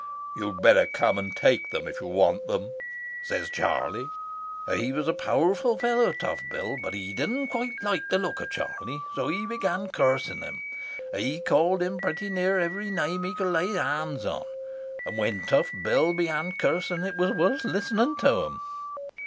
"'You'd better come and take them if you want them,' says Charlie. "He was a powerful fellow, Tough Bill, but he didn't quite like the look of Charlie, so he began cursing him. He called him pretty near every name he could lay hands on, and when Tough Bill began cursing it was worth listening to him.